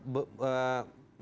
di papua banyak terjadi